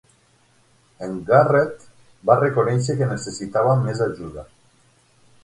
En Garrett va reconèixer que necessitava més ajuda.